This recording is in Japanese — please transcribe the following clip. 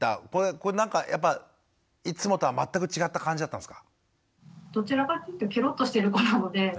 これなんかやっぱいつもとは全く違った感じだったんですか？